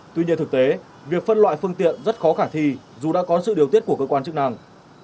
tuy nhiên thực tế việc phân loại phương tiện rất khó khả thi dù đã có sự điều tiết của cơ quan chức năng